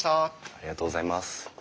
ありがとうございます。